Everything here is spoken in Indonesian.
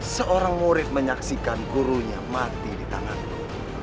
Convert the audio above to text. seorang murid menyaksikan gurunya mati di tanganmu